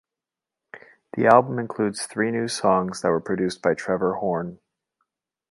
The album includes three new songs that were produced by Trevor Horn.